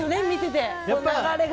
見てて。